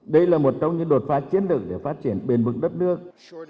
đây là một trong những đột phá chiến lược để phát triển bền vững đất nước